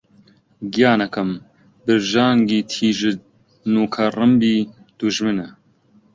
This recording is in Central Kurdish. گیانەکەم! برژانگی تیژت نووکە ڕمبی دوژمنە